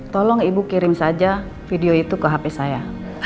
tolong ibu kirim saja video itu ke hp saya